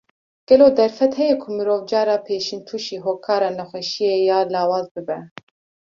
Gelo derfet heye ku mirov cara pêşîn tûşî hokara nexweşiyê ya lawaz bibe?